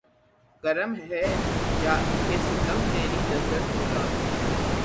کرم ہے یا کہ ستم تیری لذت ایجاد